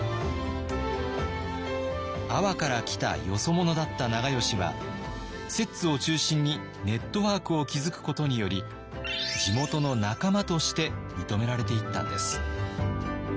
「阿波から来たよそ者」だった長慶は摂津を中心にネットワークを築くことにより地元の仲間として認められていったんです。